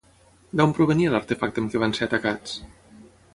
D'on provenia l'artefacte amb què van ser atacats?